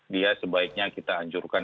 dia sebaiknya kita anjurkan